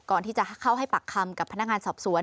ก่อนที่จะเข้าให้ปากคำกับพนักงานสอบสวน